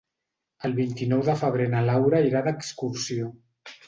El vint-i-nou de febrer na Laura irà d'excursió.